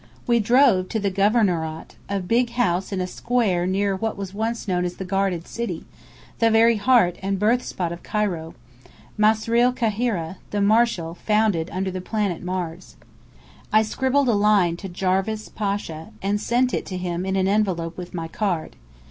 We drove to the Governorat, a big house in a square near what was once known as the Guarded City, the very heart and birthspot of Cairo: Masrel Kahira, the Martial, founded under the planet Mars. I scribbled a line to Jarvis Pasha, and sent it to him in an envelope with my card.